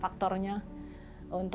dan podiumnya podium kedua gitu